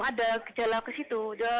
ada gejala ke situ